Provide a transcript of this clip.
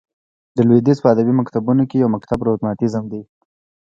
د لوېدیځ په ادبي مکتبونو کښي یو مکتب رومانتیزم دئ.